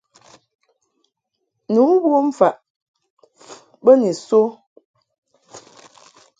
Ni wom faʼ be ni so.